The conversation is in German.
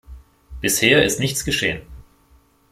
Bisher ist nichts geschehen.